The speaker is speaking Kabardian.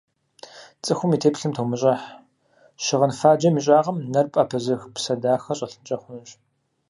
Цӏыхум и теплъэм тумыщӏыхь: щыгъын фаджэм и щӏагъым нэр пӏэпызых псэ дахэ щӏэлъынкӏэ хъунущ.